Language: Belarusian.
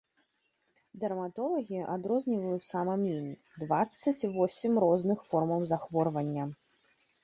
Дэрматолагі адрозніваюць, сама меней, дваццаць восем розных формаў захворвання.